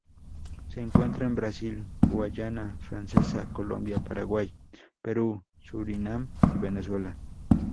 Se encuentra en Brasil, Guayana Francesa, Colombia, Paraguay, Perú, Surinam y Venezuela.